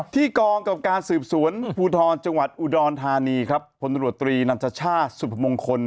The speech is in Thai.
กองกับการสืบสวนภูทรจังหวัดอุดรธานีครับพลตรวจตรีนันทชาติสุพมงคล